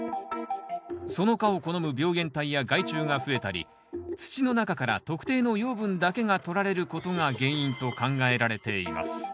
その科を好む病原体や害虫が増えたり土の中から特定の養分だけがとられることが原因と考えられています。